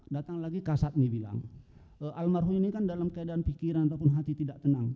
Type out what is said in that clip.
datang lagi kasat nih bilang almarhum ini kan dalam keadaan pikiran ataupun hati tidak tenang